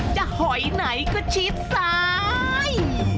จะหอยไหนก็ฉีดสาย